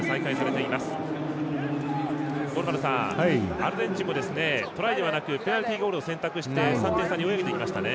アルゼンチンもトライではなくペナルティゴールを選択して３点差に追い上げていきましたね。